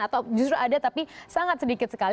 atau justru ada tapi sangat sedikit sekali